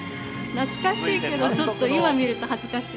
懐かしいけどちょっと今見ると恥ずかしいです。